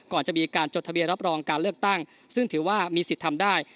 ก่อนจะมีการจดทะเบียนรับรองการเลือกตั้งซึ่งถือว่ามีสิทธิ์ทำได้